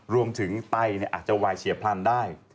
ไตอาจจะวายเฉียบพลันได้